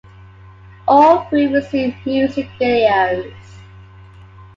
All three received music videos.